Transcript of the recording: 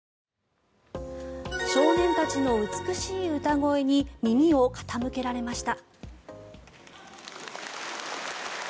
少年たちの美しい歌声に耳を傾けられました。